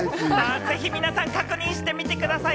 ぜひ皆さん確認してみてください。